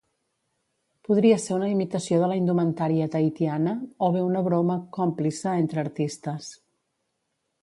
Podria ser una imitació de la indumentària tahitiana, o bé una broma còmplice entre artistes.